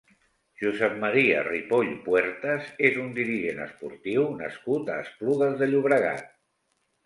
Josep Maria Ripoll Puertas és un dirigent esportiu nascut a Esplugues de Llobregat.